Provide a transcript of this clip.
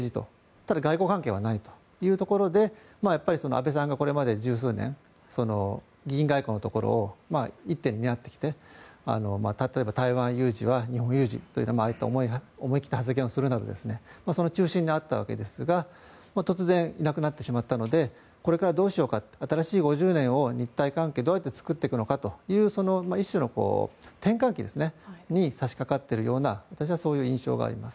ただ、外交関係はないというところで安倍さんがこれまで１０数年議員外交のところを一手に担ってきて例えば台湾有事は日本有事というああいった思い切った発言をするなどその中心にあったわけですが突然、いなくなってしまったのでこれからどうしようか新しい５０年、日台関係をどうやって作っていくのかという一種の転換期に差しかかっているような私はそういう印象があります。